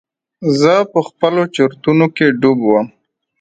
زه په خپلو چورتونو کښې ډوب وم.